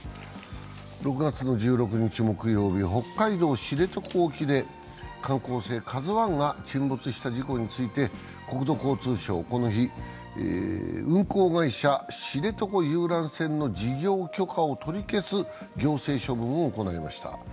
６月１６日木曜日、北海道・知床沖で観光船「ＫＡＺＵⅠ」が沈没した事故について国土交通省はこの日、運航会社、知床遊覧船の事業許可を取り消す行政処分を行いました。